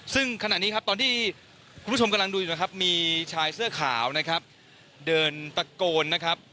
ซึ่งตอนที่คุณผู้ชมกำลังดูอยู่มีชายเสื้อขาวเดินตะโกน